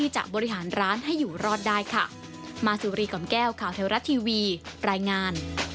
จะบริหารร้านให้อยู่รอดได้ค่ะ